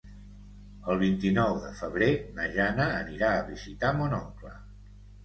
El vint-i-nou de febrer na Jana anirà a visitar mon oncle.